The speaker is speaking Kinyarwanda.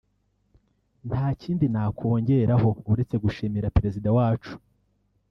nta kindi nakongeraho uretse gushimira Perezida wacu